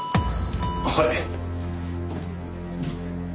はい。